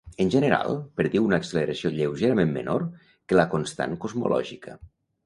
En general, prediu una acceleració lleugerament menor que la constant cosmològica.